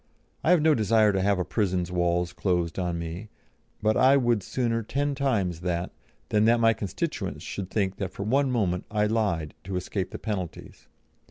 I have no desire to have a prison's walls closed on me, but I would sooner ten times that, than that my constituents should think that for one moment I lied to escape the penalties.